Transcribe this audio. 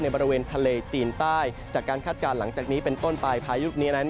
บริเวณทะเลจีนใต้จากการคาดการณ์หลังจากนี้เป็นต้นไปพายุลูกนี้นั้น